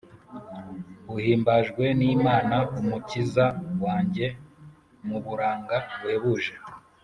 uhimbajwe n’imana umukiza wanjye muburanga buhebuje